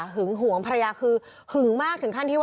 หึงหวงภรรยาก